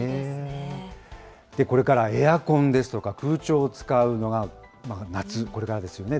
これからエアコンですとか空調を使うのが夏、これからですよね。